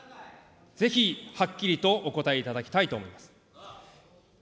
ぜひ、はっきりとお答えいただきたいと思います。